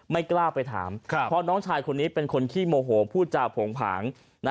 ไม่กล้าไปถามเพราะน้องชายคนนี้เป็นคนขี้โมโหพูดจาโผงผาง